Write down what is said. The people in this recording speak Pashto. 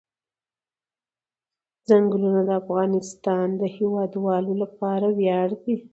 چنګلونه د افغانستان د هیوادوالو لپاره ویاړ دی.